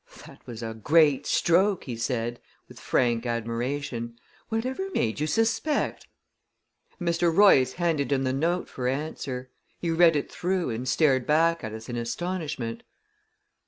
"That was a great stroke!" he said, with frank admiration. "Whatever made you suspect?" Mr. Royce handed him the note for answer. He read it through, and stared back at us in astonishment.